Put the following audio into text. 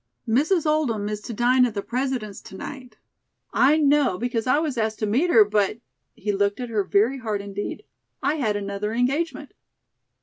"Mrs. Oldham is to dine at the President's to night. I know, because I was asked to meet her, but" he looked at her very hard indeed "I had another engagement."